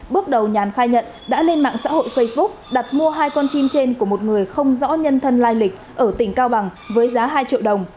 bước đầu nhàn khai nhận đã lên mạng xã hội facebook đặt mua hai con chim trên của một người không rõ nhân thân lai lịch ở tỉnh cao bằng với giá hai triệu đồng